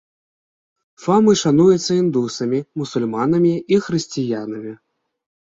Фамы шануецца індусамі, мусульманамі і хрысціянамі.